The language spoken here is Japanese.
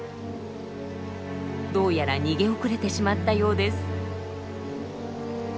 どうやら逃げ遅れてしまったようです。